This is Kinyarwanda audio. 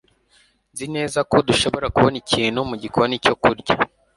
Nzi neza ko dushobora kubona ikintu mu gikoni cyo kurya.